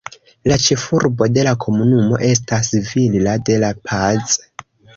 La ĉefurbo de la komunumo estas Villa de la Paz.